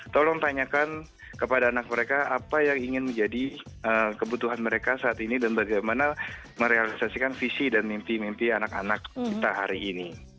tolong tanyakan kepada anak mereka apa yang ingin menjadi kebutuhan mereka saat ini dan bagaimana merealisasikan visi dan mimpi mimpi anak anak kita hari ini